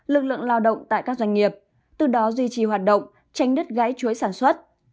lực lượng lao động tại các doanh nghiệp từ đó duy trì hoạt động tránh đứt gãy chuỗi sản xuất